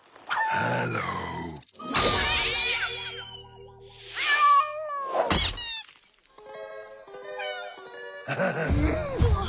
ハハハハ！